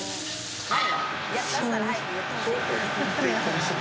はい。